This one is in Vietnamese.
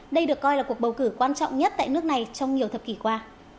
đây được coi là cuộc bầu cử quan trọng nhất tại nước này trong nhiều thập kỷ qua